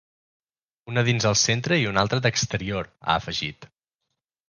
Una dins el centre i una altra d’exterior, ha afegit.